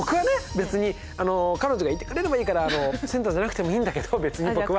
別に彼女がいてくれればいいからセンターじゃなくてもいいんだけど別に僕は。